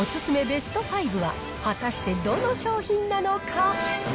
ベスト５は果たしてどの商品なのか。